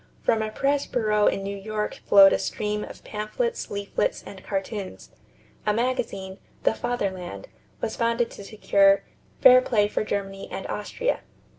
From a press bureau in New York flowed a stream of pamphlets, leaflets, and cartoons. A magazine, "The Fatherland," was founded to secure "fair play for Germany and Austria."